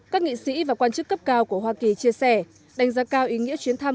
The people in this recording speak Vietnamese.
các nghị sĩ và quan chức cấp cao của hoa kỳ chia sẻ đánh giá cao ý nghĩa chuyến thăm